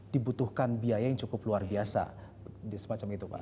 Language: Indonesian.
dibutuhkan biaya yang cukup luar biasa